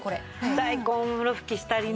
大根ふろふきしたりね。